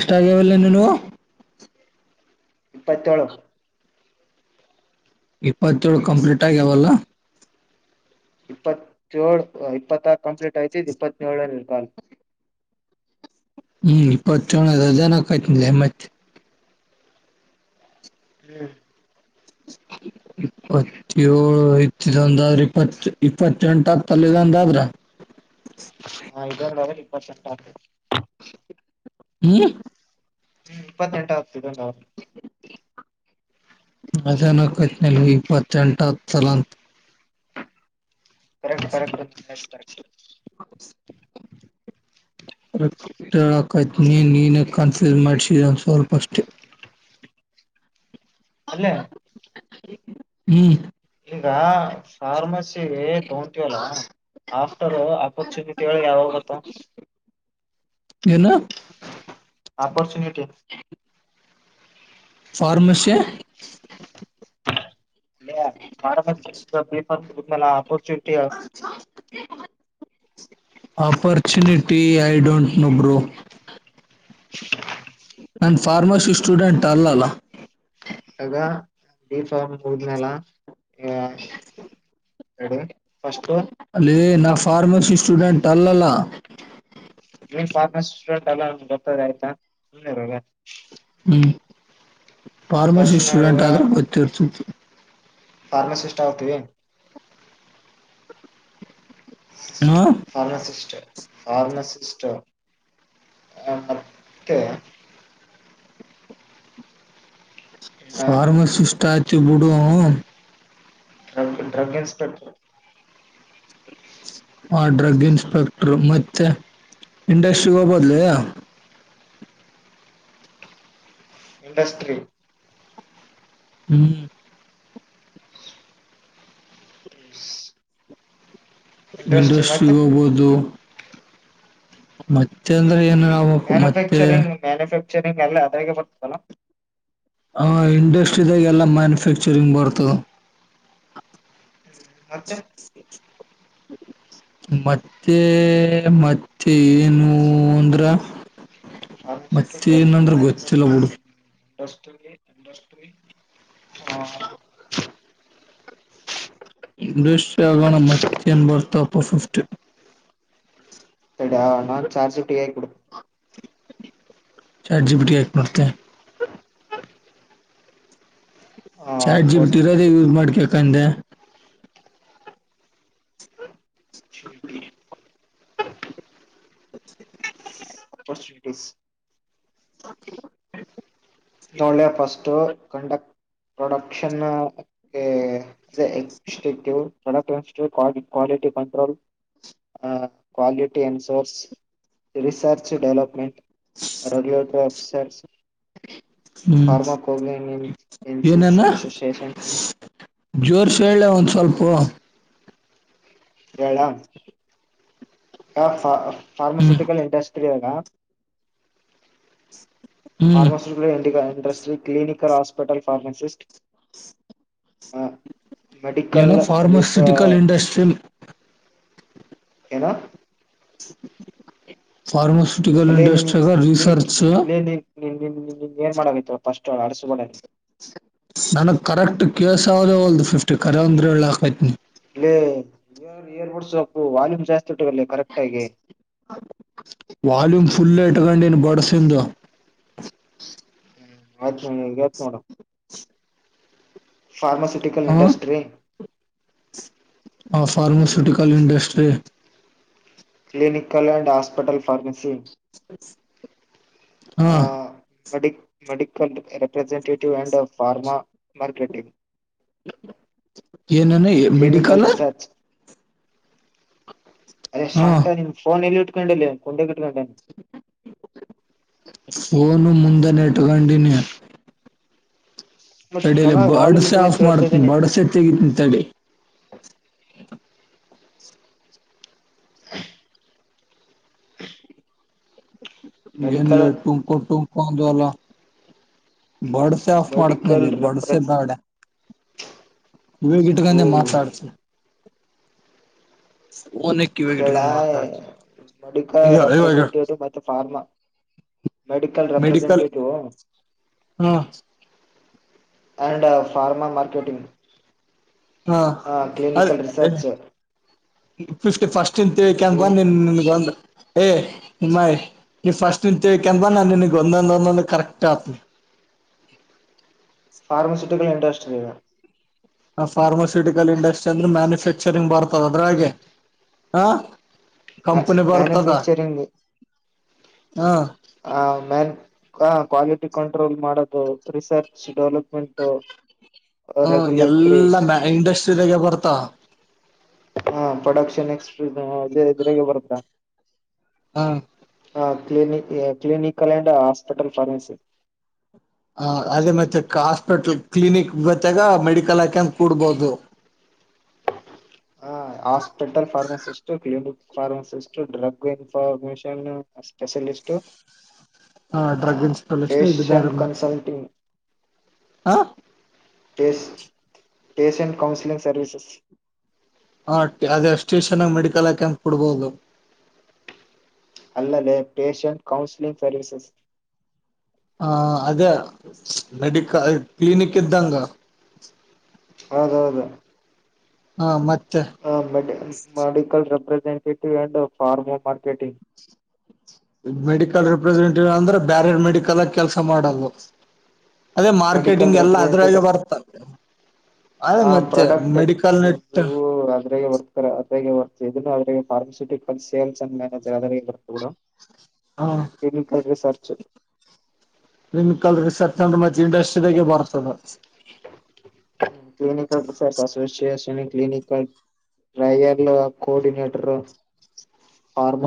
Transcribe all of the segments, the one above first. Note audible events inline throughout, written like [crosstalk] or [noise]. ಇ್ಟಾಾಗ ಒಲ್ಲ ನೀವು ಇಪ್ಪತ್ತೋಳು ಇಪ್ಪತ್ತೇಳು ಕಂಪ್ಲೀಟ್ ಆಗ್ಯಾವಲ್ಲ ಇಪ್ಪತ್ತೇಳಳ್ು ಇಪ್ಪತ್ತ ಕಂಪ್ಲೀಟ್ ಆಯ್ತ ಇಪ್ಪತ್ತೇಳಲ್ಲಿ ಇರ್ಕಲ್ ಹ್ಮ್ ಇಪ್ಪತ್ತು ಚೊಣ ಹಜಾರ ನಕಚ ಲೆಮ ಹ್ಮ್ ಇಪ್ಪತ್ತಏಳು ಇತ್ತುೊಂದಾದ್ರೆ ಇಪ್ಪತ್ತು ಇಪ್ಪತ್ತೆಂಟ ಆಗ್ತಲ್ಲಂದ ಆದ್ರ ಹಾ ಹ್ಮ ಹ್ಮ್ ಇಪ್ಪತ್ತೆಂಟಾವತ್ತುದು ನ ಅಚಾನ ಕಚ್ನಲ್ಲಿ ಇಪ್ಪತ್ತುೆಂಟ ಚಲಂತ ಕಕ್ಟ್ ಕಕ್ಟ್ ಕಕ್ಟ್ ಕಕ್ಟ್ ನೀ ನೀನ ಕನ್ಫ್ಯೂಸ್ ಮಾಡ್ಸಿದ ಸ್ವಲ್ಪ ಅಷ್ಟೇ ಅಲ್ಲೇ ಹ್ಮ್ ಟ್ರಾ ಫಾರ್ಮಸಿ ತಗೊಂತಿವಲ್ಲ ಆಫ್ಟರ್ ಅಪರ್ಚುನಿಟಿ ಗಳ್ ಯಾವಾವ್ಗೊತ್ತ. ಏನು ಆಪೋರ್ಚುನಿಟಿ ಫಾರ್ಮಸ್ ಲ್ಲ ಚುಟ್ಟೆಯ opportunity I don't know bro ನನ್ ಫಾರ್ಮಸಿ ಸ್ಟೂಡೆಂಟ್ ಅಲ್ಲಲ್ಲ ಆಗ ಫಾರ್ಮ್ ಹೋದ್ಮೇಾಲ [inaudible] ಎರಡೇ ಅಲ್ಲೇ ನಾ ಫಾರ್ಮಸಿ ಸ್ಟೂಡೆಂಟ್ ಅಲ್ಲಲ್ಲ. ನೀನ್ ಫಾರ್ಮಸಿ ಸ್ಟೂಡೆಂಟ್ ಅಲ್ಲ ಅಂದ್ರು ಗೊತ್ತದೆ ಆಯ್ತಾ ಸುಮ್ ಇರಲ್ಲ. ಹ್ಮ್ ಫಸ್ಟ್ ಫಾರ್ಮಸಿ ಸ್ಟೂಡೆಂಟ್ ಆದ್ರೆ ಗೊತ್ತಿರ್ತತಿ. ಫಾರ್ಮಸಿ ಅಷ್ಟ ಓದ್ತಿದಿ ಹ ಫಾರ್ಮಸಿಸ್ಟ್ ಫಾರ್ಮಸಿಸ್ಟ್ ಆ ಮತ್ತೆ ಫಾರ್ಮಾಸಿಸ್ಟ ಆತಿವ್ ಬಿಡೂ ಡ್ರ ಡ್ರಗ್ ಇನ್ಸ್ಪೆಕ್ಟರ್ ಆ ಡ್ರಗ್ ಇನ್ಸ್ಪೆಕ್ಟರ್ ಮತ್ತೆ ಇಂಡಸ್ಟ್ರಿ ಗ್ ಹೋಗ್ಬೋದ್ಲೇ ಇಂಡಸ್ಟ್ರಿ ಹ್ಮ್ ಇಂಡಸ್ಟ್ರಿ ಗ್ ಹೋಗ್ಬೋದು. ಮತ್ತೆ ಅಂದ್ರೆ ಏನೆ ಮ್ಯಾನುಫ್ಯಾಕ್ಚರಿಂಗ್ ಮ್ಯಾನುಫ್ಯಾಕ್ಚರಿಂಗ್ ಎಲ್ಲಾ ಅದ್ರಾಗೆ ಬರ್ತದಲ್ಲ. ಆ ಇಂಡಸ್ಟ್ರಿದಾಗ್ ಎಲ್ಲ ಮ್ಯಾನುಫ್ಯಾಕ್ಚರಿಂಗ್ ಬರ್ತದ. ಮತ್ತೆ ಮತ್ತೆ ಮತ್ತೆ ಏನು ಅಂದ್ರ ಫಾರ್ಮಸಿಸ್ಟ್ ಮತ್ತೆ ಡ್ರಗ್ ನಂದ್ರ ಇನ್ಸ್ಪೆಕ್ಟರ್ ಗೊತ್ತಿಲ್ಲ ಬುಡು. ಇಂಡಸ್ಟ್ರಿ ಇಂಡಸ್ಟ್ರಿ ಹ ಇಂಡಸ್ಟ್ರಿ ಅಲ್ವೇನ ಮತ್ತೇನ್ ಬರ್ತಾವಪ ಫಿಫ್ಟಿ. ತಡಿಯ ನಾನ್ ಚಾರ್ಜ್ ಜಿಟಿ ಯಾಗ್ ಹುಡ್ ಚಾರ್ಟ್ ಜಿ ಬಿ ಟಿ ಯಾಕ್ ನೋಡ್ತೇ ಚಾರ್ಟ್ ಜಿ ಬಿ ಟಿ ಇರೋದೆ opportunity use ಮಾಡ್ಕಕಂದೆ. [unintelligible] [inaudible] First it is [unintelligible] ತಗೊಳ್ಳೆ first ಕಂಡಕ್ production ಗೆ ಅದೆ ಎಕ್ಸ್ಟ್ಯೂಟಿವ್ ಪ್ರೊಡಕ್ಷ್ ಕ್ವಾ ಕ್ವಾಲಿ ಸಿಟಿ ಕಂಟ್ರೋಲ್ ಆ quality and source research development regulatory officers hmm pharma ಕೊಗ್ಲನಿನ್ ಇಂಸಿಸ್ ಏನೇನ ಅಾಸೋಸಿಯೇಶನ್. ಜೋರ್ಸ್ ಹೇಳೆ ಒಂದ್ ಸ್ವಲ್ಪು ಹೇಳ ಹ ಹ್ಮ್ ಫಾರ್ಮಸಿಟಿಕಲ್ ಇಂಡಸ್ಟ್ರಿ ಅಗ ಹ್ಮ್ ಫಾರ್ಮಸ್ಯೂಟಿ ಇಂಡಿಗಲ್ ಇಂಡಸ್ಟ್ರಿ ಕ್ಲಿನಿಕಲ್ ಹಸ್ ಹಪ ಫಾರ್ಮಸಿಸ್ಟ ಹ ಮೆಡಿಕಲ್ ಏನೋ ರಿಸ ಫಾರ್ಮಾಸ್ಯೂಟಿಕಲ್ ಇಂಡಸ್ಟ್ರಿ ಏನ ಫಾರ್ಮಸ್ ಅಲ್ಲೇನ್ ನಿನಿಗ್ ನಿನ್ ನಿನ್ ಏನ್ ಮಾಡಗೈತೋ. ನನಗ್ ಕರೆಕ್ಟ್ ಕೇಳ್ಸ್ ಹೌದು ಒಲ್ದು ಫಿಫ್ಟಿ ಕರೆ ಅಂದ್ರು ಹೇಳಾಕತ್ನಿ. ಲೇ ಇಯರ್ ಬಡ್ಸ್ ಸೊಪ್ಪು ವಾಲ್ಯೂಮ್ ಜಾಸ್ ಚುಟ್ಟು ಬರ್ಲೆ ಕರೆಕ್ಟ ಆಗಿ. ಫುಲ್ಲೇ ಇಟ್ಕೊಂಡಿನ್ ಬಡ್ಸಿಂದು ಮತ್ತ್ ಮುಗಿಯತ್ ನೋಡು ಫಾರ್ಮಾಸಿಟಿಕಲ್ ಇಂಡಸ್ಟ್ರಿ. ಆ pharmaceutical industry. Clinical and hospital pharmacy ಹಾ ಮೆಡಿ medical representative and pharma marketing ಏನನು ಕ್ಲಿನಿಕಲ್ ಮೆಡಿಕಲ್ ರಿಸರ್ಚ್ ಅದೇ ಹಾ ಸಟನ್ಫೋನ್ ಎಲ್ಲಿ ಇಟ್ಕೊಂಡಲ್ಲ ಕುೊಂಡ ಇಕೊಂಡ ಫೋನು ಮುಂದ ನೆ ತಗೊಂಡಿನಿ ಮತ್ತ ತಡಲ್ಲ ಚಲ ವಾಲ್ಯೂಮ್ ಬಡ್ಸೆ ಆಫ್ ಇಟ್ಕೊಂಡ ಹೇಳ್ತಾ ಇದ್ದೆ ಮಾಡ್ತನಿ ನೀನ್ ಬಡ್ಸೆ ತೆಗತನಿ ತಡೆ ಏನ್ಿಲ್ಲ ಮೆಡಿಕಲ್ ಟುಂಕೊ ಟುಂಕೊ ಅಂದ ಅಲ್ಲ ಬಡ್ಸೆ ಆಫ್ ಮೆಡಿಕಲ್ ಮಾಡತ್ನಲ್ಲಿ ಬಡ್ಸೆ ರೆಪ್ರೆಸ್ ಬ್ಯಾಡ ಇಗಿಟ್ಟಕಂದೆ ಓ ಮಾತಾಡ್ತು ಒನಕ್ ಕೇಳ ಇವಗ ಮಾತಾಡ್ತ ಮೆಡಿಕಲ್ ಇವಾಗ ರೆಪ್ರೆಸೆಂಟೇಟಿವ್ ಮತ್ತು ಫಾರ್ಮಾ ಮೆಡಿಕಲ್ ಮೆಡಿಕಲ್ ರೆಪ್ರೆಸೆಂಟೆಟಿವ್ ಹಾ ಅಂಡಂಡ್ ಫಾರ್ಮಾ ಮಾರ್ಕೆಟಿಂಗ್ ಹಾ ಅದ ಕ್ಲಿನಿಕಲ್ ರಿಸರ್ಚ್ ಫಸ್ಟ್ ಇನ್ ತಿಳ್ಕ ಬಂದನ್ ನಿನ್ಗ ಬಂದ ಏ್ ನಿಮ್ಮಾಯ ನೀ ಫಸ್ಟ್ ನಿ ತಿೇಕ ಬ ನ ನಿನ್ಗ ಒಂದೊಂದ ಒಂದೊಂದು ಕರೆಕ್ಟ್ ಆಗ್ತಿ ಫಾರ್ಮಸ್ಯೂಟಿಕಲ್ ಇಂಟ್ರಸ್ಟ್ರಿ ಫಾರ್ಮಾಸ್ಯೂಟಿಕಲ್ ಇಂಡಸ್ಟ್ರಿ ಅಂದ್ರೆ ಮ್ಯಾನುಫ್ಯಾಕ್ಚರಿಂಗ್ ಬರ್ತದ ಅದ್ರ ಹಾಗೆ ಹ ಕಂಪನಿ ಬಾರತಾ ಮ್ಯಾನುಫ್ಯಾಕ್ಚರಿಂಗ್ ಹ ಮ್ಯಾನ್ ಹ ಕ್ವಾಲಿಟಿ ಕಂಟ್ರೋಲ್ ಮಾಡೋದು ರಿಸರ್ಚ್ ಡೆವಲಪ್ಮೆಂಟ್ು ಹ ಎಲ್ಲಾ ಮ ಇಂಡಸ್ಟ್ರಿಿದಾಗ ಬರ್ತ ಹಾ ಪ್ರೊಡಕ್ಷನ್ ಎಕ್ಸ್್ರ ಇದ್ರಾಗ ಬರುತ್ತಾ ಹಾ ಹ ಕ್ಲಿನಿಕ್ ಕ್ಲಿನಿಕ್ ಅಲ್ಯಂಡ ಹಾಸ್ಪಿಟಲ್ ಫಾರ್ಮಸಿ ಹ ಅದೇ ಮತ್ತೆ ಹಾಸ್ಪಿಟ್ಲ್ ಕ್ಲಿನಿಕ್ ಬತೆಾಗ ಮೆಡಿಕಲ್ ಹಾಕೆ ಕೂಡ್ಬೋದು ಹ್ಞೂ ಹ ಹಾಸ್ಪಿಟಲ್ ಫಾರ್ಮಸಿಸ್ಟ್ ಕ್ಲಬಿಕ್ ಫಾರ್ಮಸಿಸ್ಟ್ ಡ್ರಗ್ ಇನ್ಫಾರ್ಮೇಶನ್ ಸ್ಪೆಷಲಿಸ್ಟ ಹಾ ಡ್ರಗ್ ಇನ್ಸ್ಟಾಲೂಷನ್ ಇದು ದಾರ ಕನ್ಸಲ್ಟಿಂಗ್ ಹ ಪ ಪಷಂಟ್ ಕೌನ್ಸಿಲಿಂಗ್ ಸರ್ವೀಸಸ್ ಹ ಅದೇ ಸ್ಟೇಷನ್ ಮೆಡಿಕಲ್ ಕ್ಯಾಂಪ್ ಕೊಡ್ಬಹದು ಅಲ್ಲದೆೇ ಪೇಷ್ಯಂಟ್ ಕೌನ್ಸಿಲಿಂಗ್ ಸರ್ವೀಸಸ್ ಹ ಅದೇ ಮೆಡಿಕ ಕ್ಲಿನಿಕ್ ಇದ್ದಂಗ ಹೌದೌದು ಹಾ ಮತ್ತ ಹ ಮ ಮಡಿಕಲ್ ರಬ್ರ ಫಾರಮ ಮಾರ್ಕೆಟಿಂಗ್ ಮೆಡಿಕಲ್ ರರಿಪ್ರೆಸೆಂಟೇಟಿವ್ ಅಂದ್ರೆ ಬ್ಯಾರೆ ಮೆಡಿಕಲ್ ಕೆಲ್ಸ ಮಾಡದು ಅದೇ ಮೆಡಿಕಲ್ ಮಾರ್ಕೆಟಿಂಗ್ ಎಲ್ಲ ಅದ್ರಾಗ ಬರ್ತದೆ ಅದೇ ಹ ಮತ್ತೆ ಪ್ರಾಡಕ್ಟ್ ಎ ಮೆಡಿಕಲ್ ನೆಟ್ ಅದ್ರಾಗ ಬರ್ತಾರೆ ಅದ್ರಾಗ ಬರ್ತ ಇದನ್ನು ಅದ್ರ ಫಾರ್ಮಸ್ಯೂಟಿಕಲ್ ಸೇಲ್ಸ್ ಅಂಡ್ ಮ್ಯಾನೇಜ್ ಅ ಇ ಕೂಡ ಹ ಕ್ಲಿನಿಕಲ್ ರಿಸರ್ಚ್ ಚ ನಿನ್ ಕಲ್ ಸರ್್ರ ಮತ್ತೆ ಇಂಡಷ್ಟದಾಗ ಬರ್ತದೆ ಕ್ಲಿನಿಕಲ್ ಸರ್ಸ್ಸ್ಸ್ಸಷ ಕ್ಲಿನಿಕಲ್ ರೈಯರ್ ಕಆರ್ಡಿನೇಟರ್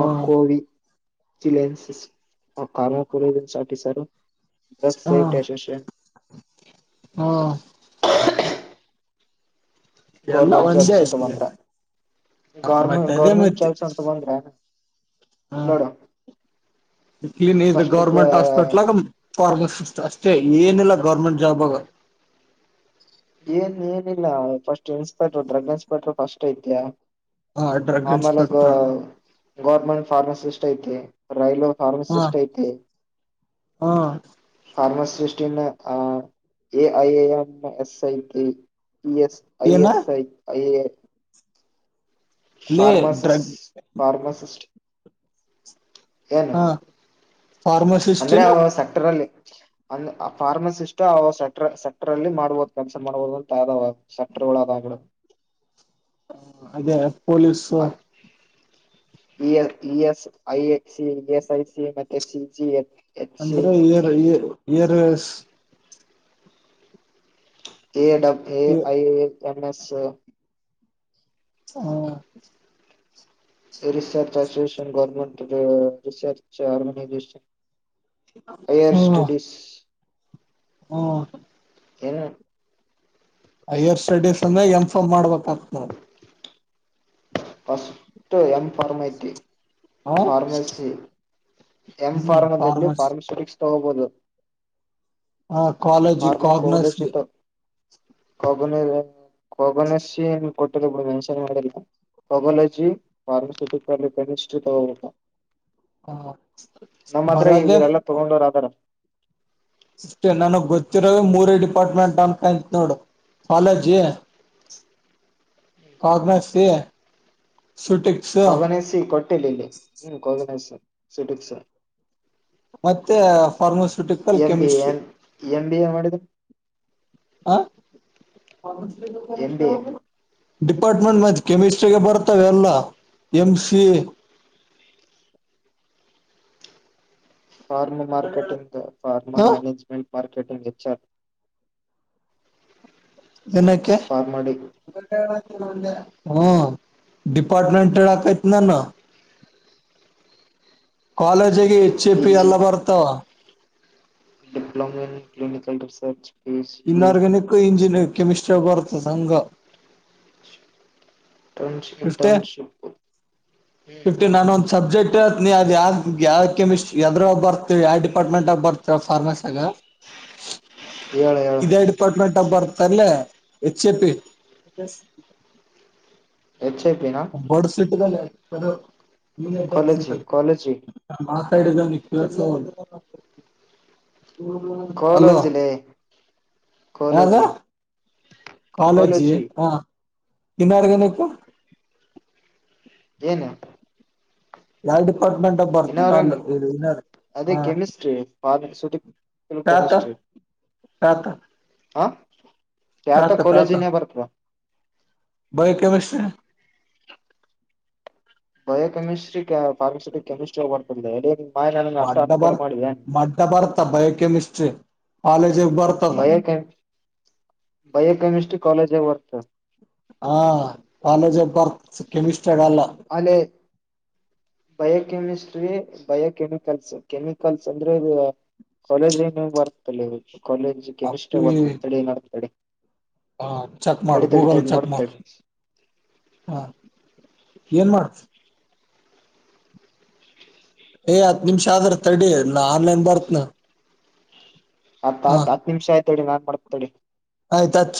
ಹ ಚ ಆ ಕಾರ ಪ ಸಾಟ ಸಾರ ಬಸ್ ಸೇಫ್ ಶಸ್ ಹ್ಮ ಹ ಎಲ್ಲ ಗೌರ್ಮೆಂಟ್ ಒಂದೇ ಜಾಬ್ಸ್ ಅಂತ ಆಯ್ತಿದೆ ಬಂದ್ರ ಗರ್ಮೆ ಮತ್ತೆ ಗೌರ್ಮೆಂಟ್ ಜಾಬ್ಸ್ ಅಂತ ಬಂದ್ರ ಹಾ ನೋಡು ಕನ ಇ ಫಸ್ಟ್ ಗವರ್ಮೆಂಟ್ ಹಾಸ್ಪಿಟಲ್ ಫಾರ್ಮಸಿ ಅಷ್ಟೇ ಏನಿಲ್ಲ ಗೌರ್ಮೆಂಟ್ ಜಾಬ್ ಆಗ ಾ first inspector drug inspector first ಐತಾ ಹ ಡ್ರಗ್ ಆಮಲೆ ಗ ಇನ್ಸ್ಪೆಕ್ಟರ್ ಗರ್ಮೆಂಟ್ ಫಾರ್ಮಾಸಿಸ್ಟ್ ಐ ರೈಲು ಹ ಫಾರ್ಮಸಿಸಟ್ ಐತೆ ಹ ಫಾರ್ಮಸಿಸ್ಟಿನ A I A N S ಐತಿ ಎಸ್ ಐ ಏನ ಎಸ್ ಐ ಐ ಅಲ್ಲೇ ಫಾರ್ಮಾಸಿಸ್ಟ ಡ್ರಗ್ ಫಾರ್ಮಾಸಿಸ್ಟ್ ಏನು ಹ ಫಾರ್ಮಸಿಸ್ಟ್ ಅಂದ್ರೆ ಏನ ಅವ ಸೆಕ್ಟರ್ ಅಲ್ಲಿ ಅಂದ ಆ ಫಾರ್ಮಸಿಸ್ಟ್ ಸೆಟರ್ ಸೆಕ್ಟರ್ ಅಲ್ಲಿ ಮಾಡ್ಬಹದು ಕೆಲ್ಸ ಮಾಡಬಹುದು ಅಂತ ಆದ ಸೆಕ್ಟರ್ ಳ ತ ಅದೇ police E A E S I A C E S I C ಮತ್ತೆ ಸಿ ಸಿ ಎ ಎಚ್ ಅಂದ್ರೆ ಏರ್ ಏರ್ ಕೆಡ ಐ ಎನ್ ಎಸ್ ಹಾ research association government research ಆರ್ಗನೈನ್ higher studies ಹ್ಮ ಏನು ಹೈಯರ್ ಸ್ಟಡೀಸ್ ಅಂದ್ರೆ ಎನ್ಫಮ್ ಮಾಡ್ಬೇಕ್ತ ನಾವವು ಫಸ್ಟ್ ನ್ಫರ್ಮತಿ ಹ ಫಾರ್ಮಸಿ ಎಂ ಹ್ಮ್ ಫಾರ್ಮದಲ್ಲಿ ಫಾರ್ಮಸಿ ಫಾರ್ಮಾಸೂಟಿಕ್ಸ್ ತೊಗಬೋದು ಆ ಕಾಲೇಜ್ ಕಾಗನಸ್ ಕೊಬನ ಕೊಬನಸ ಕೊಟ್ಟಿಲಬಿಡ್ ಮೆನ್ಷನ ಮಾಡಿಲ್ಲ ಕಗೊಲಜಿ ಪಾರ್ಮಸಿಟಿ ಸ್ಯುಟಿಕಲ್ ಕೆಮಸ್ಟ್ರತ್ ಹ ನಮ್ಮತ್ರ್ರೆ ಬರೋದೇ ಇವರೆಲ್ಲ ತಗೊಂಡರಾದಾರ ಸಿಸ್ಟರ್ ನನಗ್ ಗೊತ್ತಿರ ಮೂರೇ ಡಿಪಾರ್ಟ್ಮೆಂಟ್ ಅಂತತ್ ನೋಡು ಕಾಲೇಜಿ ಕಾಗನೆಸ್ಸಿ ಕಗಣಸಿ ಕೊಟ್ಟಿಲ್ಲ ಇಲ್ಲಿ ಹ್ಮ್ ಕಗಣಸ ಸಿಟಿಕ್ಸ್ ಮತ್ತೆ pharmaceutical M B A chemistry M B A ಮಾಡಿದ್ರು ಹಾ ಪಾರ್ಮಸಿಟಿ ಎಂ ಕನುಷ್ಟ ಬಿ ಎ ಹೋಗ ಡಿಪಾರ್ಟ್ಮೆಂಟ್ ಮತ್ತ ಕೆಮಿಸ್ಟ್ರಿಗೆ ಬರ್ತವೆ ಎಲ್ಲ ಎಮ್ ಸಿ ಪಾರ್ಮ ಮಾರ್ಕೆಟಿಂಗ್ ದ ಫಾರ್ಮ ಹ ಮ್ಯನೇಜ್ಮೆಂಟ್ ಮಾರ್ಕೆಟಿಂಗ್ ಹೆಚ್ಆರ್ ಇದನಕ್ಕೆೆ ಫಾರ್ಮಡಿ ಹ್ಮ ಡಿಪಾರ್ಟ್ಮೆಂಟ್ ಹೇಳ್ಕತ್ ನ ನ ಕಾಲೇಜಿಗೆ ಎಚ್ಚೆ ಪಿ ಎಲ್ಲ ಬರ್ತಾವ diploma in clinical research P C U inorganic engineer ಕೆಮಿಸ್ಟ್ರಿಯ ಭಾರತ ಸಂಘ ಇಂಟರ್ನ್ಶಿ ಸಿಸ್ಟರ್ ಇಂಟರ್ನ್ಶಿಪ್ ಫಿಫ್ಟಿ ನಾನ ಒಂದು ಸಬ್ಜೆಕ್ಟ್ ನೀ ಅದ ಯಾದ ಯಾವ ಕೆಮಿಸ್ಟ್ರಿ ಯದ್ರಾಗ ಬರ್ತವ ಯಾವ ಡಿಪಾರ್ಮೆಂಟದಾಗ ಗ ಬರ್ತವ ಫಾರ್ಮಸಿಯಾಗ ಹೇಳ ಹೇಳ ಇದೇ ಡಿಪಾರ್ಟ್ಮೆಂಟ್ ಅಬ್ಬರ್ ಕರ್ಲೆ ಎಚ್ಚೆಪಿ ಹೆಚ್ಐಪೀನಾ [inaudible] ಕಾಲೇಜಿ ಕಾಲೇಜಿ ಹಲೋ ಕಾಲೇಜಿಲೇ ಯಾವದ ಕಾಲೇಜಿ ಕಾಲೇಜಿ ಹ ಇನರಾಗಿನಿಕ್ ಏನು ಯಾವ ಡಿಪಾರ್ಟ್ಮೆಂಟ್ಗ ಬರ್ತಿಲ್ ಇನಾರ್ಗಾನಿಕ್ ಅಲ್ಲ ಅದೇ ಹ ಕೆಮಿಸ್ಟ್ರಿ ಫಾರ್ಮಸ್ಯೂಟಿಕಲ್ ಕೆಮಿಸ್ಟ್ರಿ ಎತ ಖ್ಯಾತ ಕಾಲೇಜಿನ್ಯಾಗ ಬರ್ತದ by chemistry bio chemistry pharmaceutic chemistry ಮಾಯ ನನಗೆ ಅಷ್ಟ ಮಡ್ಡ ಅನ್ಫೋರ್ಡ್ ಬರ್ ಮಾಡಿದೆ ಮಡ್ಡ ಬರ್ತ ಬಯೋಕೆಮಿಸ್ಟ್ರಿ ಕಾಲೇಜಿಗೆ ಬರ್ತದ ಬಯೋಕಮ ಬಯೋಕಮಿಸಟ್ರಿ ಕಾಲೇಜ ವರ್ತ ಹಾ ಕಾಲೇಜ್ ಬರ್ತ್ ಕೆಮಿಸ್ಟ್ರಗಲ್ಲ ಅಲ್ಲೇ ಬಯೋಕೆಮಿಸ್ಟ್ರಿ ಬಯೋಕೆಮಿಕಲ್ಸ್ ಕೆಮಿಕಲ್ಸ್ ಅಂದ್ರೆ ಇದು ಕಾಲೇಜ್ ಬರ್ತಲ್ಲದು ಕಾಲೇಜ್ ಕೆಮಿಸ್ಟ್ರಿ ಅವಾರ್ಡ್ ಬರುತ್ ತಡಿ [unintelligible] ಹಾ ಚೆಕ್ ಮಾಡು ತಡಿ ತಡಿ ಗೂಗಲ್ ತಡಿ ಚೆಕ್ ನೋಡ್ ಮಾಡು ತಡಿ ಹಾ ಏನ್ ಮಾಡತ್ ಏ್ ಹತ್ ನಿಮಿಷ ಆದ್ರ ತಡಿ ನಾನ್ ಆನ್ಲೈನ್ ಬರ್ತ್ನಾ ಹತ್ತ್ ಹತ್ ನಿಮಿಷ ಆಯ್ತಡಿ ನಾನ್ ಮಾಡ್ತೇನೀ ತಡಿ ಆಯತ ಹಚ್ಚ